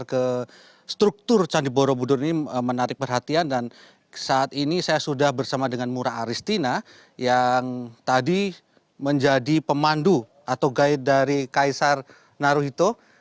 jadi ke struktur candi borobudur ini menarik perhatian dan saat ini saya sudah bersama dengan mura aristina yang tadi menjadi pemandu atau guide dari kaisar naruhito